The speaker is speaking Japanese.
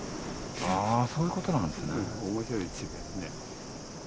あそういうことなんですね。